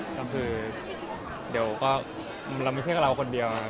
แล้วไม่ใช่เราคนเดียว